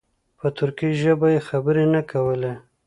په ترکي ژبه یې خبرې نه کولې.